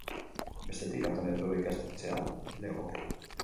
Bestetik, Antonio Trueba ikastetxea legoke.